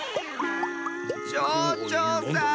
ちょうちょうさん。